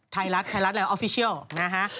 ไทรัศน์ไทรัศน์แหละออฟิเชียลนะฮะ